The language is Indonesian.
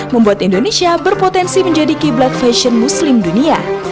membuat indonesia berpotensi menjadi kiblat fashion muslim dunia